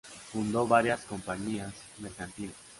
Fundó varias compañías mercantiles.